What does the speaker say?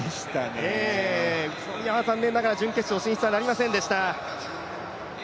宇都宮は残念ながら準決勝進出はなりませんでした。